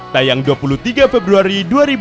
tayang dua puluh tiga februari dua ribu dua puluh